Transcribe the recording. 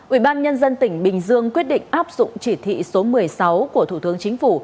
ủy ban nhân dân tỉnh bình dương quyết định áp dụng chỉ thị số một mươi sáu của thủ tướng chính phủ